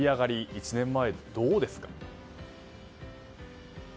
１年前、どうですか。